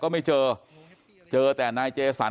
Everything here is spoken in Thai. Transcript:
กลุ่มตัวเชียงใหม่